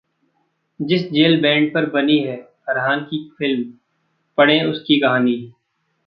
जिस jail band पर बनी है फरहान की फिल्म, पढ़ें उसकी कहानी!